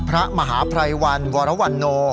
พระมหาภรรยวรรณวรวรณโน